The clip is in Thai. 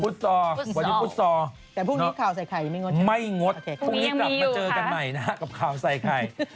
ฟุตสอวันนี้ฟุตสอไม่งดพรุ่งนี้กลับมาเจอกันใหม่นะฮะกับข่าวใส่ไข่